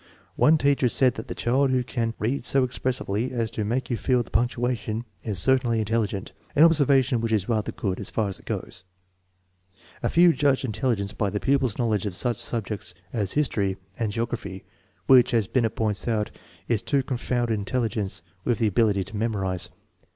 One teacher said that the child who can " read so expressively as to make you feel the punc tuation " is certainly intelligent, an observation which is rather good, as far as it goes. A few judged intelligence by the pupil's knowledge of such subjects as history and geography, which, as Binet points out, is to confound in telligence with the ability to memorize.